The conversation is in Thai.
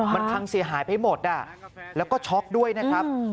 มันพังเสียหายไปหมดแล้วก็ช็อกด้วยนะครับ